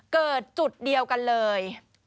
เกิดจุดเดียวกันเลย